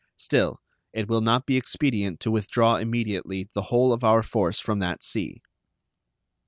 Still, it will not be expedient to withdraw immediately the whole of our force from that sea.